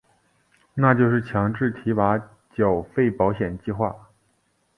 那就是强制提拨缴费保险计划。